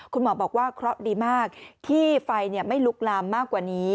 คุณหมอบอกว่าเคราะห์ดีมากที่ไฟไม่ลุกลามมากกว่านี้